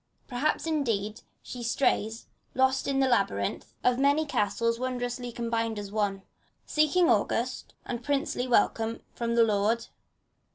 Perhaps, indeed, she strays, lost in the labyrinth Of many castles wondrously combined in one. Seeking august and princely welcome from the lord.